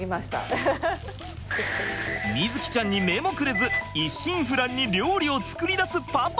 瑞己ちゃんに目もくれず一心不乱に料理を作りだすパパ。